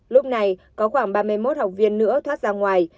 lúc này có khoảng ba mươi một học viên nữa thoát ra ngoài